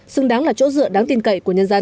xứng đáng là chỗ dựa đáng tin cậy của nhân dân